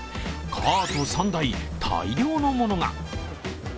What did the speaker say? カート３台、大量の物が。